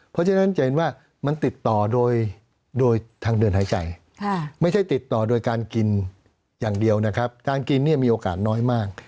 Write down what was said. เพราะฉะนั้นจะเห็นว่ามันติดต่อโดยทางเดินหายใจไม่ใช่ติดต่อโดยการกินอย่างเดียวนะครับการกินเนี่ยมีโอกาสน้อยมาก